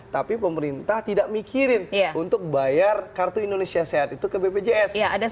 tapi pemerintah tidak mikirin untuk bayar kartu indonesia sehat itu ke bpjs